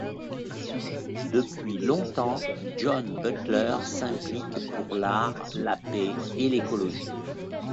Depuis longtemps John Butler s'implique pour l'art, la paix et l'écologie.